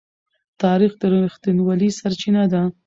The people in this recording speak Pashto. تاریخ د رښتینولۍ سرچینه ده.